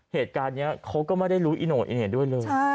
เหตุการณ์นี้เขาก็ไม่ได้รู้อีโน่อีด้วยเลย